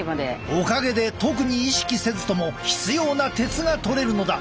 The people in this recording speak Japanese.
おかげで特に意識せずとも必要な鉄がとれるのだ。